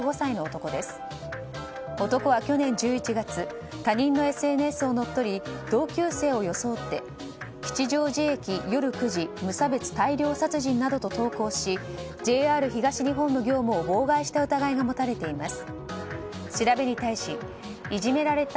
男は去年１１月他人のＳＮＳを乗っ取り同級生を装って吉祥寺駅夜９時無差別大量殺人などと投稿しＪＲ東日本の業務を妨害した疑いが持たれています。